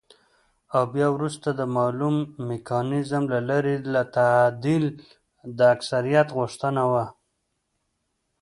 او بيا وروسته د مالوم ميکانيزم له لارې که تعديل د اکثريت غوښتنه وه،